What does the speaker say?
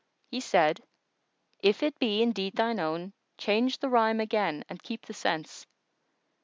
He said, "If it be indeed thine own, change the rhyme again and keep the sense."